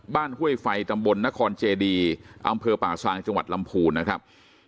ห้วยไฟตำบลนครเจดีอำเภอป่าซางจังหวัดลำพูนนะครับ